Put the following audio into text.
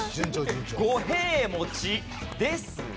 五平餅ですが。